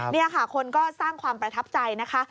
นี่ค่ะคนก็สร้างความประทับใจนะคะ